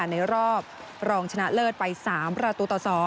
ในรอบรองชนะเลิศไป๓ประตูต่อ๒